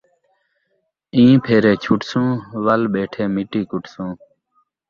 ایں پھیرے چھٹسوں، ول ٻیٹھے مٹی کٹسوں